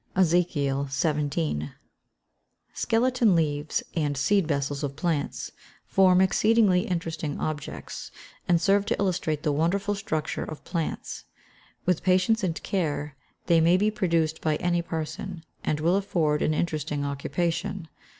EZEKIEL XVII.] Skeleton leaves, and seed vessels of plants, form exceedingly interesting objects, and serve to illustrate the wonderful structure of plants. With patience and care, they may be produced by any person, and will afford an interesting occupation.